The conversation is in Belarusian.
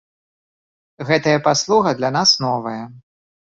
Гэтая паслуга для нас новая.